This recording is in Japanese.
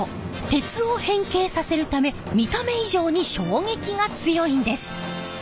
鉄を変形させるため見た目以上に衝撃が強いんです！